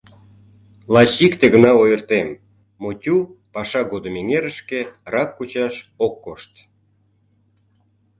Лачак икте гына ойыртем: Мотю паша годым эҥерышке рак кучаш ок кошт.